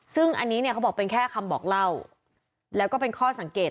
ซึ่งอันนี้เนี่ยเขาบอกเป็นแค่คำบอกเล่าแล้วก็เป็นข้อสังเกต